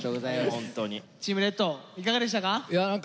チームレッドいかがでしたか？